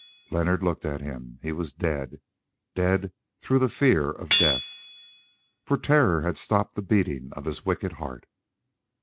Leonard looked at him; he was dead, dead through the fear of death, for terror had stopped the beating of his wicked heart.